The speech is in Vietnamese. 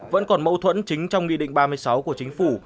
vẫn còn mâu thuẫn chính trong nghị định ba mươi sáu của chính phủ